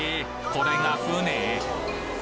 これが船？